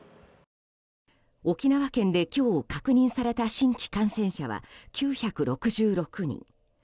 沖縄県で今日、確認された新規感染者は９６６人。